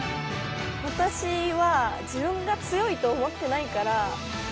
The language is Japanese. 私は自分が強いと思ってないから。